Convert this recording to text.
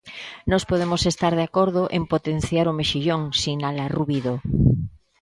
Nós podemos estar de acordo en potenciar o mexillón, sinala Rubido.